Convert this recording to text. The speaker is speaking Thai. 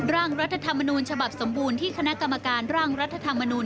ร่างรัฐธรรมนูญฉบับสมบูรณ์ที่คณะกรรมการร่างรัฐธรรมนูล